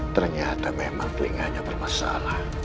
ternyata memang telinganya bermasalah